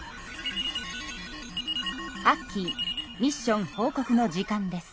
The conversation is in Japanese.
アッキーミッション報告の時間です。